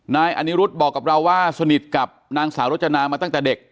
นายอนิรุธบอกกับเราว่าสนิทกับนางสาวรจนามาตั้งแต่เด็ก